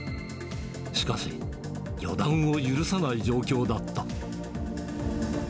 しかし、予断を許さない状況だった。